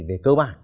về cơ bản